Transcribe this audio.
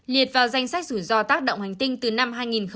liệt vào danh sách rủi ro tác động hành tinh từ năm hai nghìn một mươi